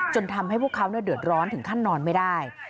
ทำให้พวกเขาเดือดร้อนถึงขั้นนอนไม่ได้